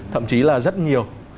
thậm chí là rất nhiều